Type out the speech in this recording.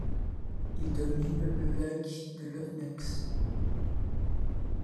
Il domine le lac de Lovenex.